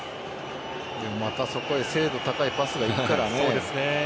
またそこに精度高いパスが行くからね。